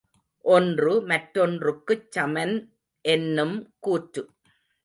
ஒன்று மற்றொன்றுக்குச் சமன் என்னும் கூற்று.